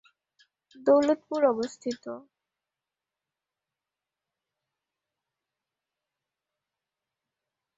দৌলতপুর অবস্থিত।